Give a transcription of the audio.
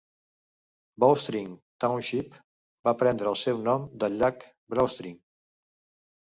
Bowstring Township va prendre el seu nom del llac Bowstring.